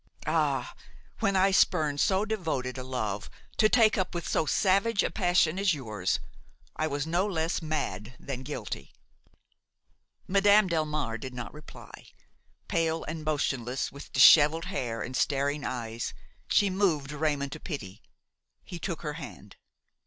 Ah! when I spurned so devoted a love to take up with so savage a passion as yours, I was no less mad than guilty." Madame Delmare did not reply. Pale and motionless, with dishevelled hair and staring eyes, she moved Raymon to pity. He took her hand.